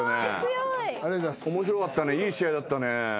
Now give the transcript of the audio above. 面白かったねいい試合だったね。